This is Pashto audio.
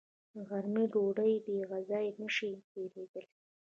د غرمې ډوډۍ بېغذايي نشي تېرېدلی